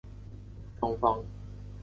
双方共举行了六次会谈。